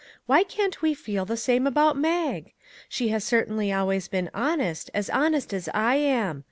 Why can't we feel the same about Mag? She has certainly always been honest ; as honest as I am.